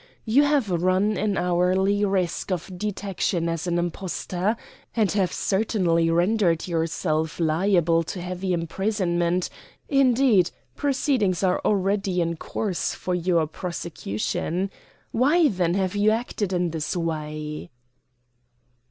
You have run an hourly risk of detection as an impostor, and have certainly rendered yourself liable to heavy imprisonment; indeed, proceedings are already in course for your prosecution. Why, then, have you acted in this way?"